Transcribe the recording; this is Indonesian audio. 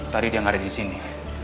tadi dia ngarit di sini